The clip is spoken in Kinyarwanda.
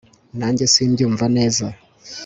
Nanjye simbyumva neza